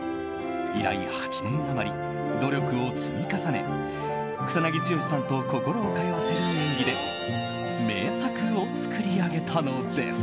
以来８年余り、努力を積み重ね草なぎ剛さんと心を通わせる演技で名作を作り上げたのです。